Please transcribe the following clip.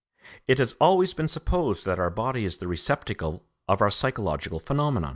It has always been supposed that our body is the receptacle of our psychological phenomena.